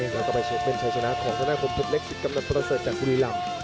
แล้วก็ไปเช็คเม้นชายชนะของทะดานคมเป็นเล็กสิบกำลังประเศษจากภูริลำ